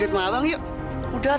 keima lagi deh yo